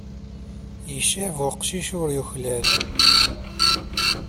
Icab weqcic ur yuklal.